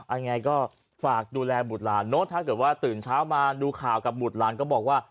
ยังไงก็ฝากดูแลบุตรหลานเนอะถ้าเกิดว่าตื่นเช้ามาดูข่าวกับบุตรหลานก็บอกว่า